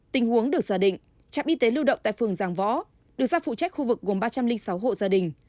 tình huống được giả định trạm y tế lưu động tại phường giang võ được ra phụ trách khu vực gồm ba trăm linh sáu hộ gia đình